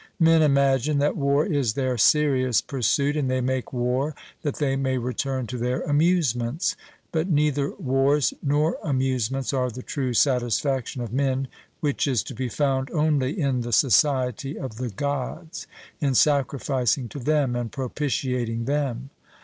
Men imagine that war is their serious pursuit, and they make war that they may return to their amusements. But neither wars nor amusements are the true satisfaction of men, which is to be found only in the society of the Gods, in sacrificing to them and propitiating them.